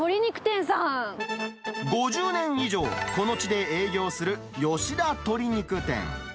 ５０年以上、この地で営業する吉田鶏肉店。